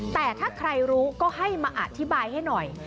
แต่ถ้าใครรู้ก็ให้มาอธิบายให้หน่อย